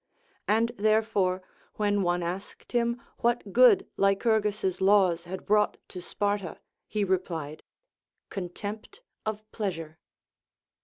And therefore when one asked him what good Lycurgus's laws had brought to Sparta, he replied, Contempt of pleasure.